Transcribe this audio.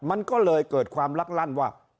มันก็เลยเกิดความลักลั่นว่า